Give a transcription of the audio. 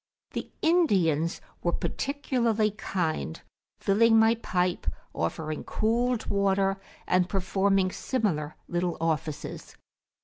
The Indians were particularly kind, filling my pipe, offering cooled water, and performing similar little offices.